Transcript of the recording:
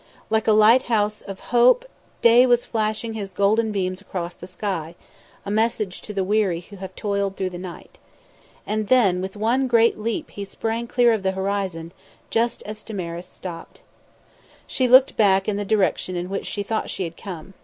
Like a lighthouse of Hope, Day was flashing his golden beams across the sky, a message to the weary who have toiled through the night. And then, with one great leap he sprang clear of the horizon, just as Damaris stopped. She looked back in the direction in which she thought she had come.